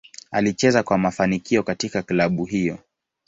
Alicheza kwa kwa mafanikio katika klabu hiyo.